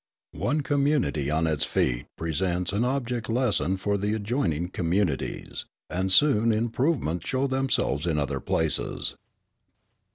One community on its feet presents an object lesson for the adjoining communities, and soon improvements show themselves in other places.